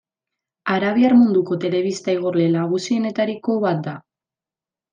Arabiar munduko telebista igorle nagusienetariko bat da.